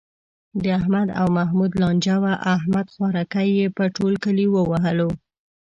د احمد او محمود لانجه وه، احمد خوارکی یې په ټول کلي و وهلو.